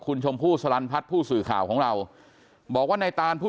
คุณชมพู่สลันพัฒน์ผู้สื่อข่าวของเราบอกว่าในตานผู้